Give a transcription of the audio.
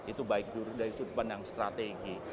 itu baik dulu dari sudut pandang strategi